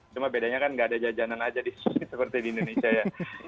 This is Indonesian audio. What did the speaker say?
cuma bedanya kan nggak ada jajanan aja di sini seperti di indonesia ya